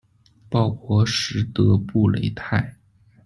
鲍博什德布雷泰。